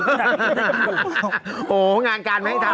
โอ้โหงานการไม่ให้ทำ